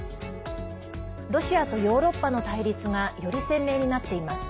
ロシアとヨーロッパの対立がより鮮明になっています。